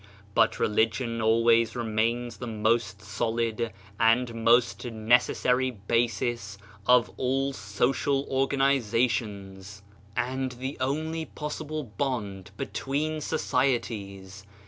But religion always remains the most solid and most necessary basis of all social organisa tions, and the only possible bond between societies.